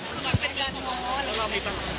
คือมันเป็นการงอน